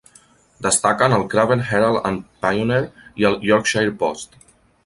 Destaquen el "Craven Herald and Pioneer" i el "Yorkshire Post".